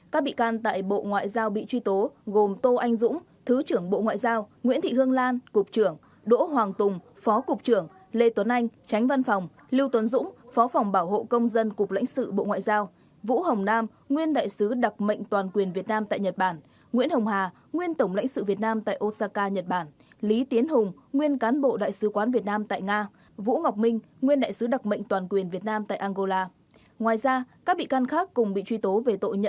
các bị can tại bộ ngoại giao bị truy tố gồm tô anh dũng thứ trưởng bộ ngoại giao nguyễn thị hương lan cục trưởng đỗ hoàng tùng phó cục trưởng lê tuấn anh tránh văn phòng lưu tuấn dũng phó phòng bảo hộ công dân cục lãnh sự bộ ngoại giao vũ hồng nam nguyên đại sứ đặc mệnh toàn quyền việt nam tại nhật bản nguyễn hồng hà nguyên tổng lãnh sự việt nam tại osaka nhật bản lý tiến hùng nguyên cán bộ đại sứ quán việt nam tại nga vũ ngọc minh nguyên đại sứ đặc mệnh